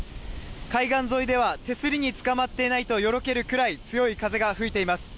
海岸沿いでは手すりにつかまっていないとよろけるくらい強い風が吹いています。